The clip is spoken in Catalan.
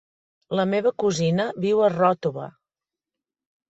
La meva cosina viu a Ròtova.